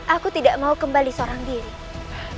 aku tidak mau kembali seorang diri